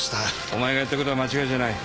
お前がやったことは間違いじゃない。